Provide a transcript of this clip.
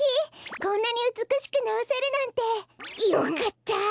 こんなにうつくしくなおせるなんて！よかった！